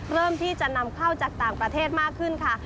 เริ่มที่จะนำเข้าจากต่างประเทศมากขึ้นค่ะ